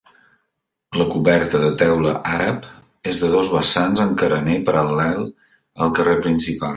La coberta, de teula àrab, és de dos vessants amb carener paral·lel al carrer principal.